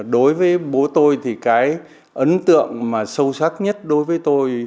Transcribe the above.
đối với bố tôi thì cái ấn tượng mà sâu sắc nhất đối với tôi